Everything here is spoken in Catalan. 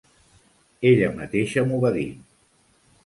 Ella mateixa m'ho va dir.